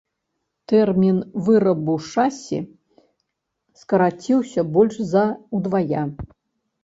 Тэрмін вырабу шасі скараціўся больш за ўдвая.